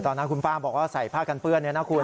ตอนนั้นคุณป้าบอกว่าใส่ผ้ากันเปื้อนเนี่ยนะคุณ